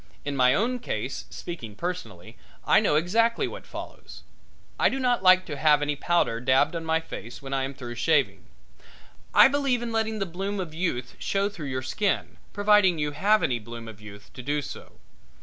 In my own case, speaking personally, I know exactly what follows. I do not like to have any powder dabbed on my face when I am through shaving. I believe in letting the bloom of youth show through your skin, providing you have any bloom of youth to do so.